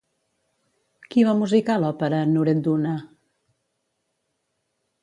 Qui va musicar l'òpera Nuredduna?